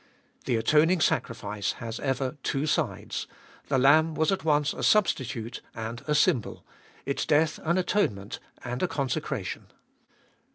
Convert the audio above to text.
The atoning sacrifice has ever two sides ; the lamb was at once a substitute and a symbol, its death an atonement and a consecration.